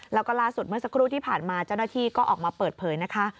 แล้วก็ล่าสุดเมื่อสักครู่ที่ผ่านมาเจ้าหน้าที่ก็ออกมาเปิดเผยนะคะ